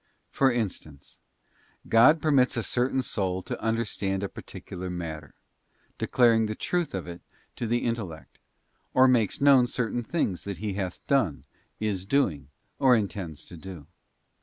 For instance, God permits a certain soul to understand a particular matter, declaring the truth of it to the intellect, or makes known certain things that He hath done, is doing, or intends to do.